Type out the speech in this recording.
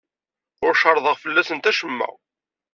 Ur cerrḍeɣ fell-asent acemma.